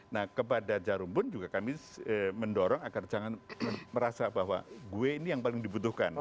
nah kepada jarum pun juga kami mendorong agar jangan merasa bahwa gue ini yang paling dibutuhkan